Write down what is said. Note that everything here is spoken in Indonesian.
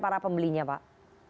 para pembelinya pak